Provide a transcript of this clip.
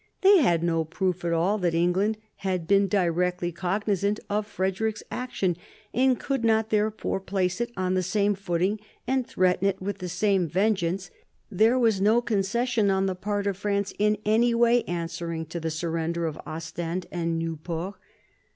They had no proof at all that England had been directly cognisant of Frederick's action, and could not therefore place it on the same footing and threaten it with the same vengeance ; there was no concession on the part of France in any way answering to the surrender of Ostend and Nieuport.